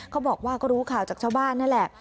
เขาบอกว่าก็รู้ข่าวจากชาวบ้านนั่นแหละ